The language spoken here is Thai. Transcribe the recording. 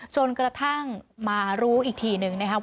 จนกระทั่งมารู้อีกทีหนึ่งนะครับ